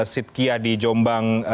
sitkiah di jombang